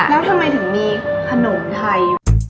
แล้วทำไมถึงมีขนมไทยอยู่